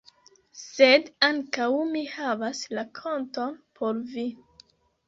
Sed ankaŭ mi havas rakonton por vi.